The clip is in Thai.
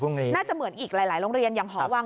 น่าจะเหมือนอีกหลายโรงเรียนอย่างหอวัง